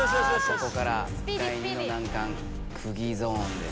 ここから第２の難関クギゾーンです。